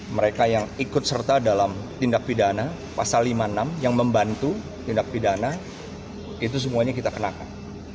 mereka yang ikut serta dalam tindak pidana pasal lima puluh enam yang membantu tindak pidana itu semuanya kita kenakan